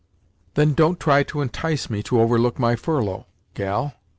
"Then don't try to entice me to overlook my furlough, gal!